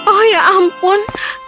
oh ya ampun